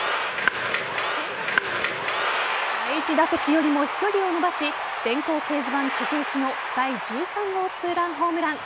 第１打席よりも飛距離を伸ばし電光掲示板直撃の第１３号２ランホームラン。